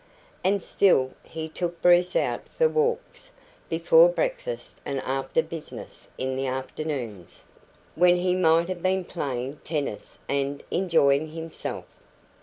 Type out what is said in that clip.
And still he took Bruce out for walks, before breakfast and after business in the afternoons, when he might have been playing tennis and enjoying himself.